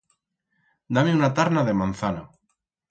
Da-me una tarna de manzana.